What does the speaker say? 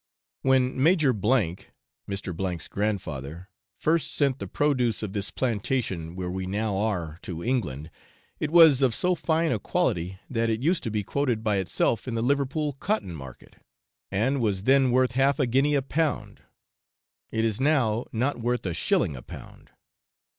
When Major , Mr. 's grandfather, first sent the produce of this plantation where we now are to England, it was of so fine a quality that it used to be quoted by itself in the Liverpool cotton market, and was then worth half a guinea a pound; it is now not worth a shilling a pound.